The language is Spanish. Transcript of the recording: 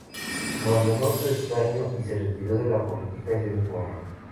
Abandonó su escaño y se retiró de la política ese mismo año.